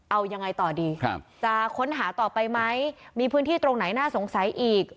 เอายังไงต่อดีจะค้นหาต่อไปไหมมีพื้นที่ตรงไหนน่าสงสัยอีก